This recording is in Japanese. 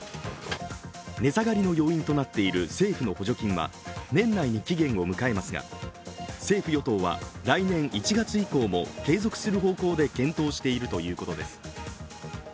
値下がりの要因となっている政府の補助金は年内に期限を迎えますが、政府・与党は来年１月以降も継続する方向で検討しているということです。